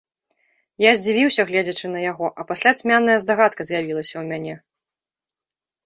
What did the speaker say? Я здзівіўся, гледзячы на яго, а пасля цьмяная здагадка з'явілася ў мяне.